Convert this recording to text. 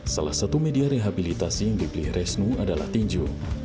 salah satu media rehabilitasi yang dibeli resnu adalah tinju